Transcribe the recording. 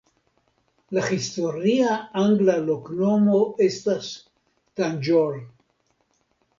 La historia angla loknomo estas "Tanjore".